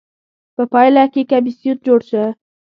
په پایله کې کمېسیون جوړ شو.